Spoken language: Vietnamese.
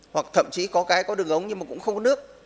hoặc thậm chí có cái có đường ống nhưng mà cũng không có nước